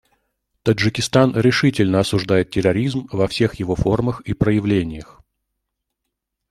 Таджикистан решительно осуждает терроризм во всех его формах и проявлениях.